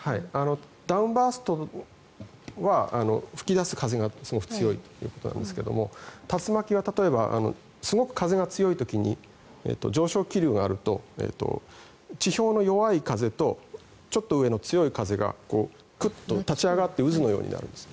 ダウンバーストは吹き出す風がすごく強いということなんですが竜巻は例えばすごく風が強い時に上昇気流があると地表の弱い風とちょっと上の強い風がクッと立ち上がって渦のようになるんです。